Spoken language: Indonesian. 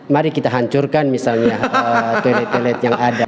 mari kita hancurkan misalnya toilet toilet yang ada